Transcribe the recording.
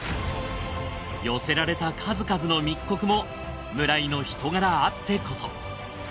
寄せられた数々の密告も村井の人柄あってこそ。